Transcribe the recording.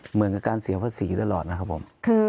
เหมือนกับการเสียภาษีตลอดนะครับผม